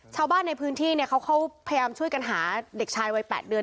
ชาวบ้านในพื้นที่เนี่ยเขาพยายามช่วยกันหาเด็กชายวัย๘เดือน